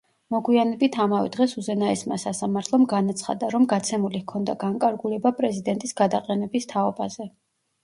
მოგვიანებით ამავე დღეს უზენაესმა სასამართლომ განაცხადა, რომ გაცემული ჰქონდა განკარგულება პრეზიდენტის გადაყენების თაობაზე.